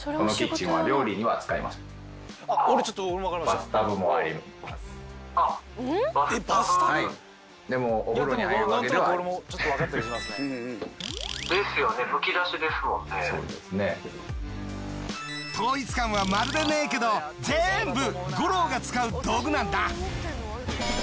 統一感はまるでねえけど全部ＧＯＲＯが使う道具なんだ。